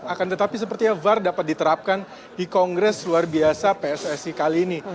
akan tetapi sepertinya var dapat diterapkan di kongres luar biasa pssi kali ini